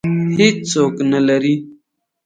هېڅوک نه لري